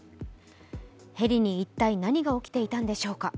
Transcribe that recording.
ヘリに一体、何が起きていたんでしょうか。